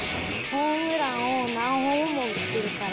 ホームランを何本も打ってるから。